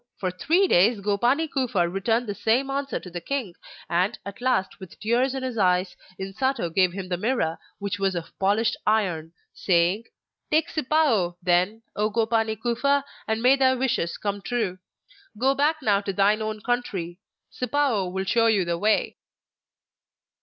For three days Gopani Kufa returned the same answer to the king, and, at last, with tears in his eyes, Insato gave him the Mirror, which was of polished iron, saying: 'Take Sipao, then, O Gopani Kufa, and may thy wishes come true. Go back now to thine own country; Sipao will show you the way.